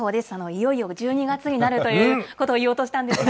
いよいよ１２月になるということを言おうとしたんですが。